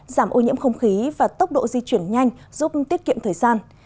giảm ô nhiễm không khí và tốc độ di chuyển nhanh giúp tiết kiệm thời gian